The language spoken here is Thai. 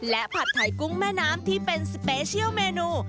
และผัดไทยกุ้งแม่น้ำที่เป็นสเปเชียลเมนู